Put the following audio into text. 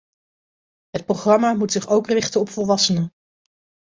Het programma moet zich ook richten op volwassenen.